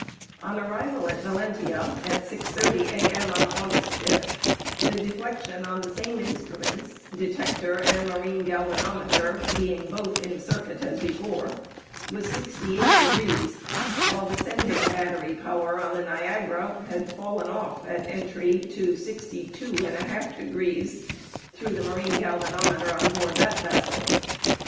On arrival at Valentia at 6.30 A.M., on August 5th, the deflection on the same instruments (detector and marine galvanometer being both in circuit as before) was 68 degrees, while the sending battery power on the Niagara had fallen off at entry to 62 1/2 degrees through the marine galvanometer on board that vessel.